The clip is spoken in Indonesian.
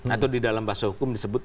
atau di dalam bahasa hukum disebut